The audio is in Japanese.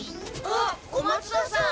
あっ小松田さん？